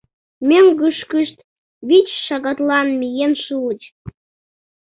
Мӧҥгышкышт вич шагатлан миен шуыч.